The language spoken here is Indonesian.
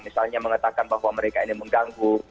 misalnya mengatakan bahwa mereka ini mengganggu